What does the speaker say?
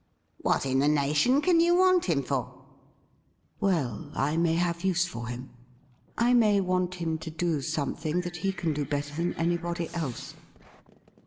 ' What in the nation can you want him for .?'' Well, I may have use for him — I may want him to do something that he can do better than anybody else.'